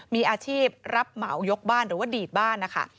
มีอาชีพรับเหมายกบ้านหรือว่าดีดบ้านนะคะ